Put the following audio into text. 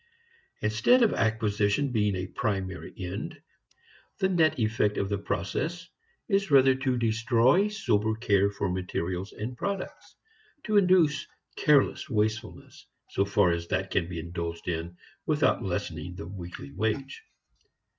Instead of acquisition being a primary end, the net effect of the process is rather to destroy sober care for materials and products; to induce careless wastefulness, so far as that can be indulged in without lessening the weekly wage.